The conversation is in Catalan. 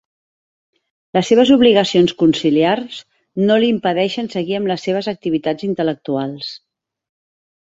Les seves obligacions conciliars no li impedeixen seguir amb les seves activitats intel·lectuals.